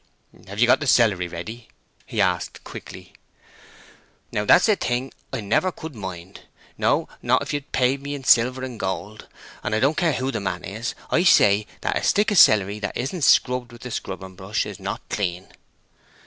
"Have you got the celery ready?" he asked, quickly. "Now that's a thing I never could mind; no, not if you'd paid me in silver and gold. And I don't care who the man is, I says that a stick of celery that isn't scrubbed with the scrubbing brush is not clean."